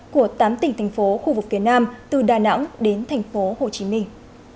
của tám tỉnh thành phố khu vực phía nam từ đà nẵng đến thành phố hồ chí minh